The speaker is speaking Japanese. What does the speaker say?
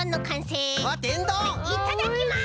いただきます！